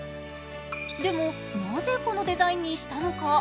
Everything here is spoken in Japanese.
でも、なぜこのデザインにしたのか。